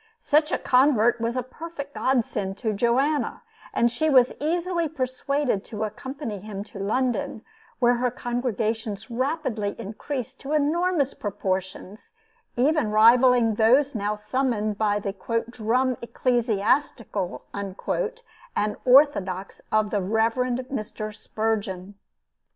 Such a convert was a perfect godsend to Joanna, and she was easily persuaded to accompany him to London, where her congregations rapidly increased to enormous proportions, even rivaling those now summoned by the "drum ecclesiastical" and orthodox of the Rev. Mr. Spurgeon.